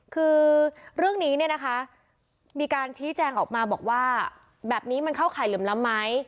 คือเรื่องนี้เนี่ยนะคะมีการชี้แจงออกมาบอกว่าแบบนี้มันเข้าข่ายเหลื่อมล้ำไหม